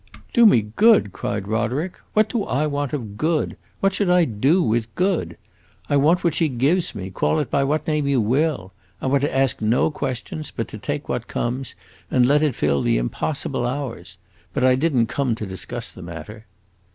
"Do me good?" cried Roderick. "What do I want of 'good' what should I do with 'good'? I want what she gives me, call it by what name you will. I want to ask no questions, but to take what comes and let it fill the impossible hours! But I did n't come to discuss the matter."